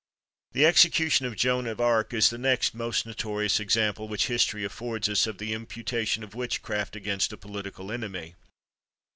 The execution of Joan of Arc is the next most notorious example which history affords us of the imputation of witchcraft against a political enemy.